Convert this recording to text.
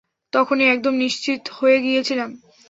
তখনি একদম নিশ্চিত হয়ে গিয়েছিলাম।